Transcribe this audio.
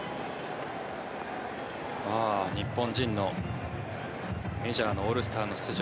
日本人のメジャーのオールスターの出場